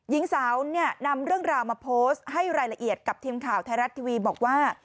หญิงสาวเนี่ยนำเรื่องราวมาโพสต์ให้รายละเอียดกับทีมข่าวไทยรัฐทีวีบอกว่า